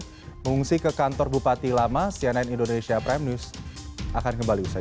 mengungsi ke kantor bupati lama cnn indonesia prime news akan kembali usai